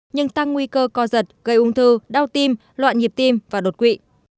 nhưng tăng nguy cơ co giật gây ung thư đau tim loạn nhịp tim và đột quỵ